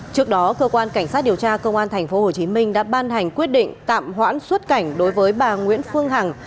trước đó cơ quan cảnh sát điều tra công an tp hcm đã ban hành quyết định tạm hoãn xuất cảnh đối với bà nguyễn phương hằng